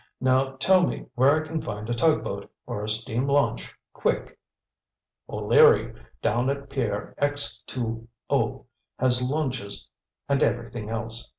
Now tell me where I can find a tug boat or a steam launch, quick." "O'Leary, down at pier X 2 O has launches and everything else.